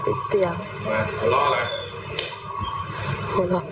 พูดไม่ออกพูดไม่ออก